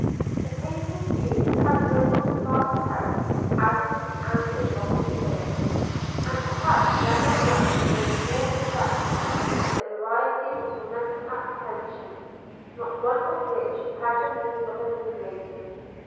The painful news he had heard from his father's house added to the anguish of his spirit; and perhaps never was a mind more distracted with a variety of tormenting apprehensions, not one of which he had the means of alleviating.